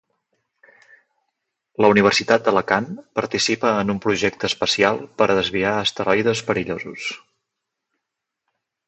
La Universitat d'Alacant participa en un projecte espacial per a desviar asteroides perillosos.